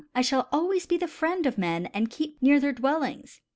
I shall always be the friend of men and keep near their dwellings.